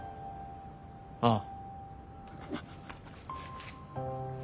ああ。